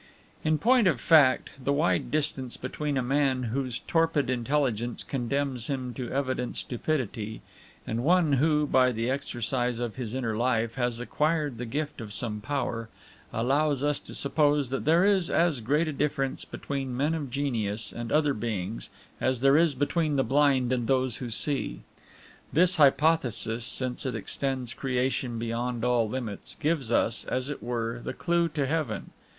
In point of fact, the wide distance between a man whose torpid intelligence condemns him to evident stupidity, and one who, by the exercise of his inner life, has acquired the gift of some power, allows us to suppose that there is as great a difference between men of genius and other beings as there is between the blind and those who see. This hypothesis, since it extends creation beyond all limits, gives us, as it were, the clue to heaven.